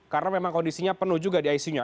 karena memang kondisinya penuh juga di icu nya